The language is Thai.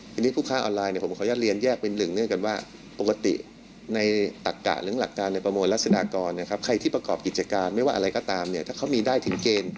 ทีนี้ผู้ค้าออนไลน์ผมขออนุญาตเลียนแยกเป็นหนึ่ง